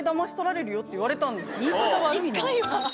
言い方悪いな。